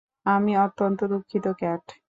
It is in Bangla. আমি অত্যন্ত দুঃখিত, ক্যাট!